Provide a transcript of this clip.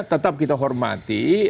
tetap kita hormati